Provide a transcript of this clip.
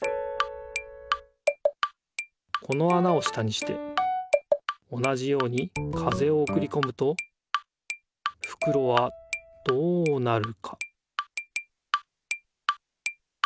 このあなを下にして同じように風をおくりこむとふくろはどうなるか？